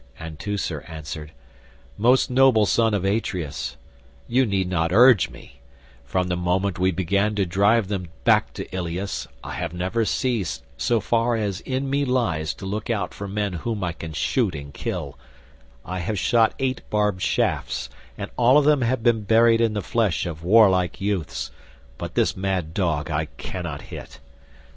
And Teucer answered, "Most noble son of Atreus, you need not urge me; from the moment we began to drive them back to Ilius, I have never ceased so far as in me lies to look out for men whom I can shoot and kill; I have shot eight barbed shafts, and all of them have been buried in the flesh of warlike youths, but this mad dog I cannot hit."